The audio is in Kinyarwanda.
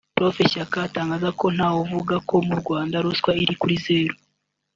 Prof Shyaka atangaza ko ntawavuga ko mu Rwanda ruswa iri kuri zeru